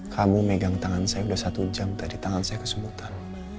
kamu megang tangan saya sudah satu jam dari tangan saya kesemutan